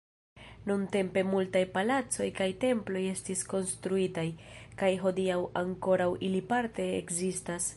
Nuntempe multaj palacoj kaj temploj estis konstruitaj, kaj hodiaŭ ankoraŭ ili parte ekzistas.